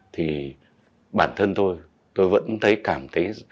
thì bản thân tôi tôi vẫn thấy cảm thấy